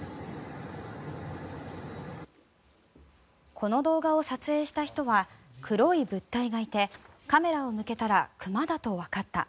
この動画を撮影した人は黒い物体がいてカメラを向けたら熊だとわかった。